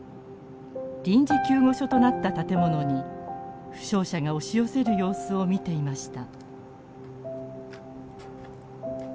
臨時救護所となった建物に負傷者が押し寄せる様子を見ていました。